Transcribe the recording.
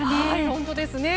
本当ですね。